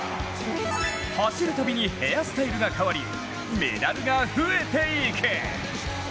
走るたびにヘアスタイルが変わりメダルが増えていく。